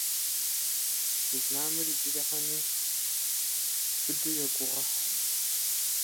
Вьетнам по-прежнему твердо привержен эти усилиям.